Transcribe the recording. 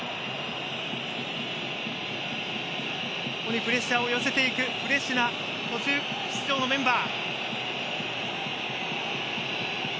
プレッシャーを寄せていくフレッシュな途中出場のメンバー。